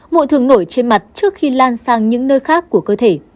mùi thường nổi trên mặt trước khi lan sang những nơi khác của cơ thể